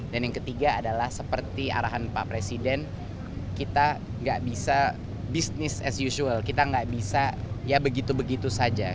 dan yang ketiga adalah seperti arahan pak presiden kita nggak bisa bisnis as usual kita nggak bisa begitu begitu saja